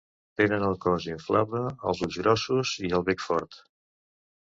Tenen el cos inflable, els ulls grossos, el bec fort.